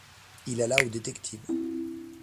Il alla au détective.